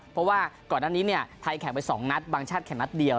เพราะว่าก่อนหน้านี้เนี่ยไทยแข่งไป๒นัดบางชาติแข่งนัดเดียว